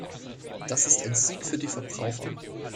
Das ist ein Sieg für die Verbraucher.